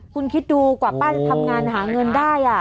คุณคิดดูกว่าป้าจะทำงานหาเงินได้